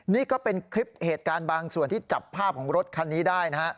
นี่ก็เป็นคลิปเหตุการณ์บางส่วนที่จับภาพของรถคันนี้ได้นะฮะ